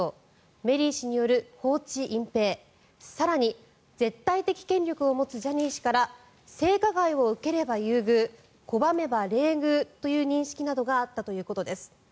メリー氏による放置・隠ぺい更に絶対的権力を持つジャニー氏から性加害を受ければ優遇拒めば冷遇という認識があったということです。